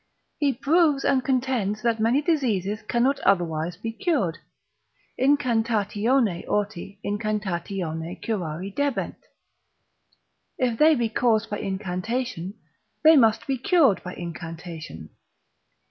He proves and contends that many diseases cannot otherwise be cured. Incantatione orti incantatione curari debent; if they be caused by incantation, they must be cured by incantation.